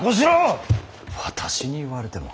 私に言われても。